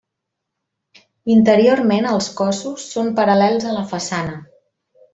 Interiorment els cossos són paral·lels a la façana.